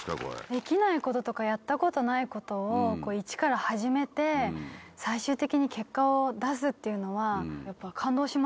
できないこととかやったことないことをイチから始めて最終的に結果を出すっていうのはやっぱ感動しますね。